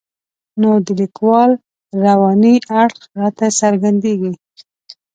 نو د لیکوال رواني اړخ راته څرګندېږي.